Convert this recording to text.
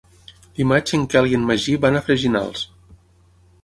Dimarts en Quel i en Magí van a Freginals.